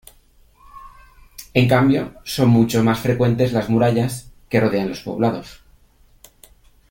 En cambio, son mucho más frecuentes las murallas, que rodean los poblados.